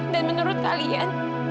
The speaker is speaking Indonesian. dan menurut kalian